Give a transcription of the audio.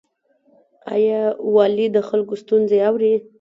آیا والي د خلکو ستونزې اوري؟